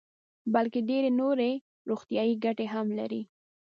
بلکې ډېرې نورې روغتیايي ګټې هم لري.